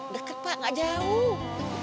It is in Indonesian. deket pak gak jauh